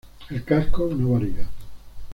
El casco no varía.